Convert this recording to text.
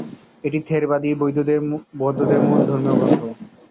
এটি থেরবাদী বৌদ্ধদের মূল ধর্মীয় গ্রন্থ।